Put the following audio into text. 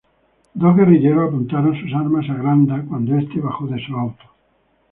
Dos guerrilleros apuntaron sus armas a Granda cuando este bajó de su auto.